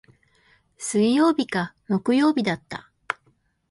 水曜日か木曜日だった。